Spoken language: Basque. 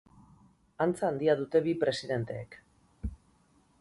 Antza handia dute bi presidenteek.